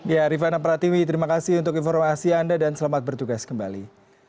ya rifana pratiwi terima kasih untuk informasi anda dan selamat bertugas kembali